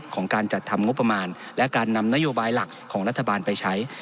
ของการจัดทำงบประมาณและการนำนโยบายหลักของรัฐบาลไปใช้